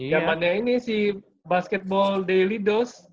yang mana ini si basketball daily dos